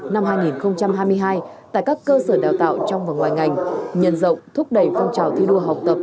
năm hai nghìn hai mươi hai tại các cơ sở đào tạo trong và ngoài ngành nhân rộng thúc đẩy phong trào thi đua học tập